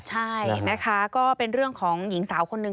ใช่นะคะก็เป็นเรื่องของหญิงสาวคนหนึ่ง